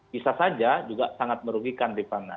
bisa saja juga sangat merugikan rifana